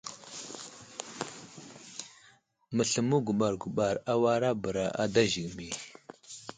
Məsləmo guɓar guɓar awara bəra ada zəgəmi.